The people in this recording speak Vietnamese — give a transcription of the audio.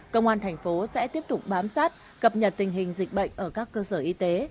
công an thành phố sẽ tiếp tục bám sát cập nhật tình hình dịch bệnh ở các cơ sở y tế